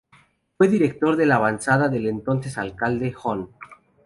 Fue director de la avanzada del entonces Alcalde, Hon.